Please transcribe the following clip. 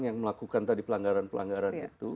yang melakukan tadi pelanggaran pelanggaran itu